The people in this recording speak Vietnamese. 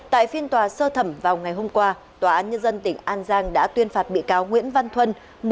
tại phiên tòa sơ thẩm vào ngày hôm qua tòa án nhân dân tỉnh an giang đã tuyên phạt bị cáo nguyễn văn thuân